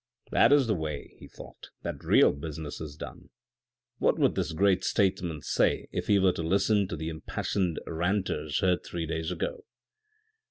" That is the way," he thought, " that real business is done ; what would this great statesman say if he were to listen to the impassioned ranters heard three days ago